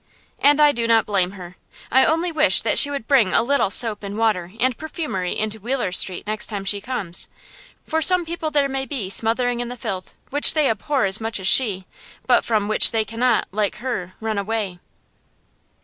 And I do not blame her. I only wish that she would bring a little soap and water and perfumery into Wheeler Street next time she comes; for some people there may be smothering in the filth which they abhor as much as she, but from which they cannot, like her, run away.